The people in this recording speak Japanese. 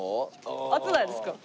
熱ないですか？